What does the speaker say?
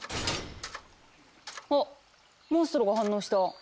あっモンストロが反応した。